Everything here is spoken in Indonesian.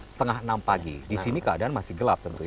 setengah enam pagi di sini keadaan masih gelap tentunya